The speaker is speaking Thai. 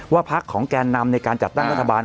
พักของแกนนำในการจัดตั้งรัฐบาล